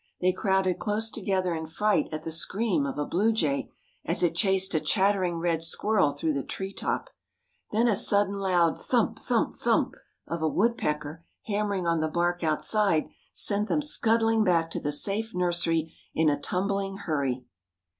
They crowded close together in fright at the scream of a blue jay, as it chased a chattering red squirrel through the tree top. Then a sudden loud thump thump thump of a woodpecker hammering on the bark outside sent them scuttling back to the safe nursery in a tumbling hurry.